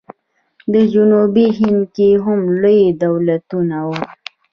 په جنوبي هند کې هم لوی دولتونه وو.